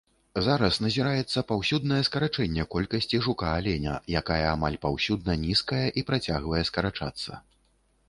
Зараз назіраецца паўсюднае скарачэнне колькасці жука-аленя, якая амаль паўсюдна нізкая і працягвае скарачацца.